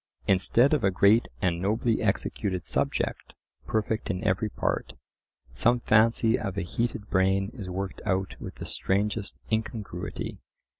Instead of a great and nobly executed subject, perfect in every part, some fancy of a heated brain is worked out with the strangest incongruity.